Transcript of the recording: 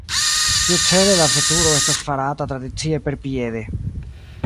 Tiucele la veturo estas farata tradicie perpiede.